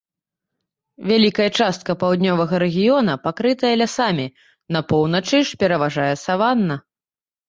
Вялікая частка паўднёвага рэгіёна пакрытая лясамі, на поўначы ж пераважае саванна.